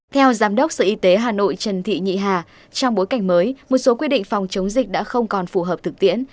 theo giám đốc sở y tế hà nội trần thị nhị hà trong bối cảnh mới một số quy định phòng chống dịch đã không còn phù hợp thực tiễn